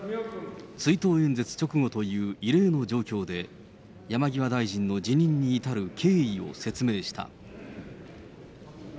追悼演説直後という異例の状況で、山際大臣の辞任に至る経緯を説明した。